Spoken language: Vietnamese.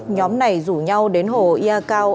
nhóm này rủ nhau đến hồ ia cao